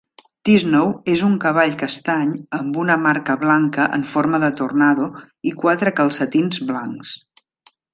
Tiznow és un cavall castany amb una marca blanca en forma de tornado i quatre calcetins blancs.